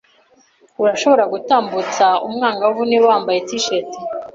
Urashobora gutambutsa umwangavu niba wambaye T-shirt.